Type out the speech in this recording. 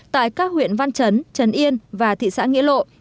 tại các huyện văn trấn trần yên và thị xã nghĩa lộ